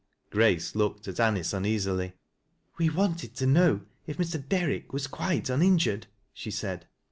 Grace glanced at Anice uneasily " We wanted to know if Mr. Derrick was qnite unin jured," she said.